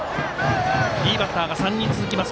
いいバッターが３人続きます